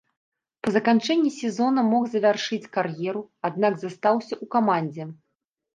Па заканчэнні сезона мог завяршыць кар'еру, аднак застаўся ў камандзе.